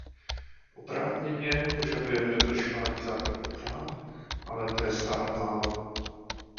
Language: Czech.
Oprávněně požadujeme dodržování základních práv, ale to je stále málo.